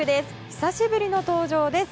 久しぶりの登場です